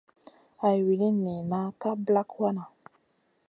Hay wulini nina ka ɓlak wanaʼ.